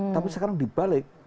tapi sekarang dibalik